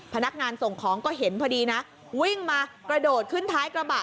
พนักงานส่งของก็เห็นพอดีนะวิ่งมากระโดดขึ้นท้ายกระบะ